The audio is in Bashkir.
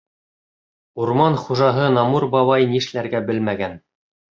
Урман хужаһы Намур бабай нишләргә белмәгән.